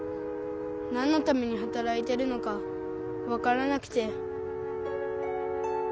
なんのためにはたらいてるのかわからなくて。